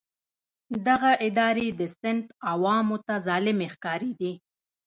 دغه ادارې د سند عوامو ته ظالمې ښکارېدې.